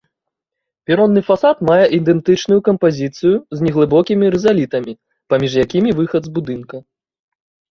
Перонны фасад мае ідэнтычную кампазіцыю з неглыбокімі рызалітамі, паміж якімі выхад з будынка.